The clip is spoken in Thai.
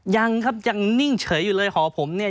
ยังครับยังนิ่งเฉยอยู่เลยหอผมเนี่ย